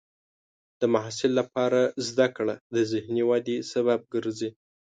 د محصل لپاره زده کړه د ذهني ودې سبب ګرځي.